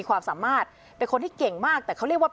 คนมาทำบุญคนพุธเป็นยังไงคะ